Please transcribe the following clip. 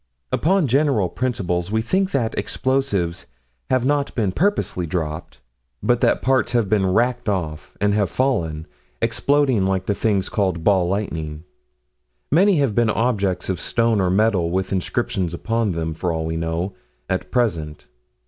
Upon general principles we think that explosives have not been purposely dropped, but that parts have been racked off, and have fallen, exploding like the things called "ball lightning." Many have been objects of stone or metal with inscriptions upon them, for all we know, at present.